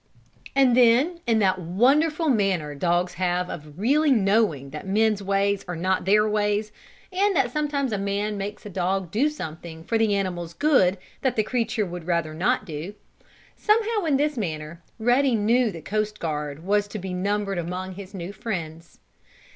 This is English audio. And then, in that wonderful manner dogs have of really knowing that men's ways are not their ways, and that sometimes a man makes a dog do something for the animal's good that the creature would rather not do somehow, in this manner Ruddy knew that the coast guard was to be numbered among his new friends.